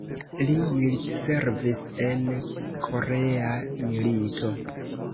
Li militservis en Korea milito.